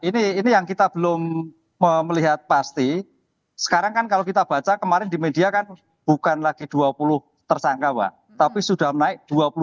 ini yang kita belum melihat pasti sekarang kan kalau kita baca kemarin di media kan bukan lagi dua puluh tersangka pak tapi sudah menaik dua puluh satu